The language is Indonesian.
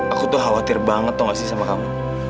aku tuh khawatir banget tuh gak sih sama kamu